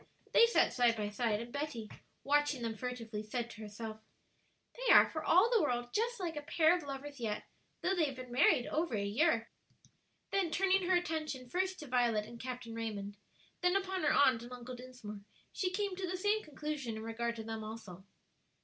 They sat side by side, and Betty, watching them furtively, said to herself, "They are for all the world just like a pair of lovers yet, though they have been married over a year." Then turning her attention first to Violet and Captain Raymond, then upon her Aunt and Uncle Dinsmore, she came to the same conclusion in regard to them also.